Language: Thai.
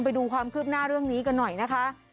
ไปดูความคืบหน้าเรื่องนี้กันหน่อยนะคะ